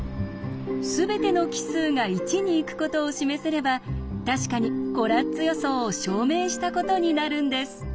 すべての奇数が１に行くことを示せれば確かにコラッツ予想を証明したことになるんです。